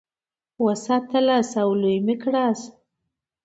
وساتلاست او لوی مي کړلاست.